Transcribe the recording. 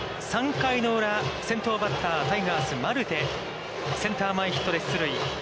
３回裏、先頭バッター、タイガース、マルテ、センター前ヒットで出塁。